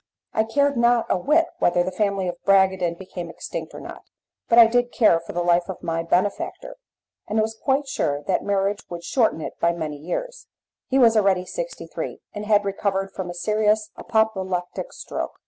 I cared not a whit whether the family of Bragadin became extinct or not, but I did care for the life of my benefactor, and was quite sure that marriage would shorten it by many years; he was already sixty three, and had recovered from a serious apoplectic stroke.